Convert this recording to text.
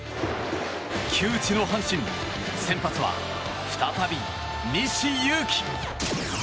窮地の阪神先発は再び西勇輝。